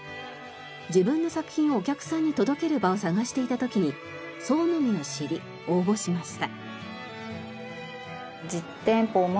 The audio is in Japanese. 自分の作品をお客さんに届ける場を探していた時に創の実を知り応募しました。